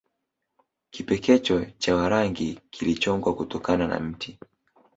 Kipekecho cha Warangi kilichongwa kutokana na mti